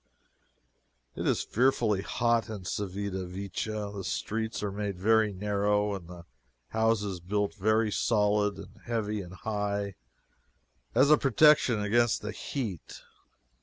It is fearfully hot in Civita Vecchia. The streets are made very narrow and the houses built very solid and heavy and high, as a protection against the heat.